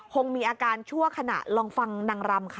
คงมีอาการชั่วขณะลองฟังนางรำค่ะ